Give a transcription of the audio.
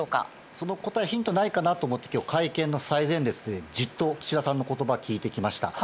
その答え、ヒントないかなと思って、今日、会見の最前列でじっと岸田さんの言葉を聞いてきました。